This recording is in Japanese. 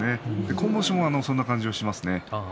今場所も、そんな感じがしますね。